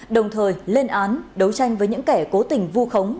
đồng thời lên án đấu tranh với những kẻ cố tình vu khống